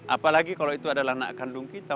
apalagi kalau itu adalah anak kandung kita